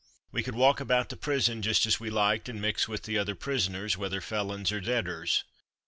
We could walk about the prison just as we liked and mix with the other prisoners, whether felons or debtors.